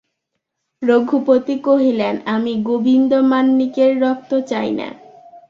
রঘুপতি কহিলেন, আমি গোবিন্দমাণিক্যের রক্ত চাই না।